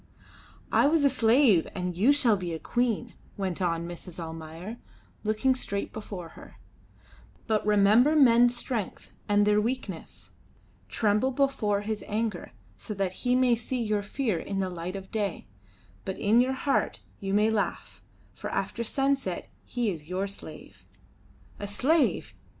"I was a slave, and you shall be a queen," went on Mrs. Almayer, looking straight before her; "but remember men's strength and their weakness. Tremble before his anger, so that he may see your fear in the light of day; but in your heart you may laugh, for after sunset he is your slave." "A slave!